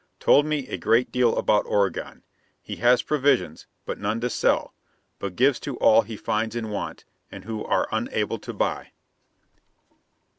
Told me a great deal about Oregon. He has provisions, but none to sell; but gives to all he finds in want, and who are unable to buy."